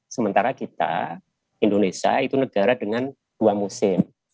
sementara kita indonesia itu negara dengan dua musim